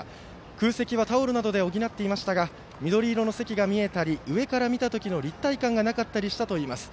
空席はタオルなどで補っていましたが緑色の席が見えたり上から見た時の立体感がなかったりしたといいます。